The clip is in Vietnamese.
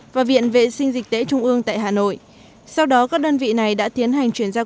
và viện vệ sinh dịch tễ trung ương tại hà nội sau đó các đơn vị này đã tiến hành chuyển giao